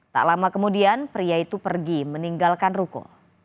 tak lama kemudian pria itu pergi meninggalkan ruko